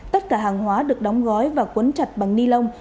tất cả hàng hóa được đóng gói và quấn chặt bằng ni lông